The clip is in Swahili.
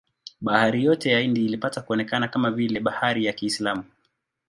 Bahari yote ya Hindi ilipata kuonekana kama vile bahari ya Kiislamu.